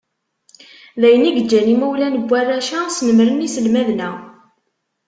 D ayen i yeǧǧan imawlan n warrac-a, snemmren iselmaden-a.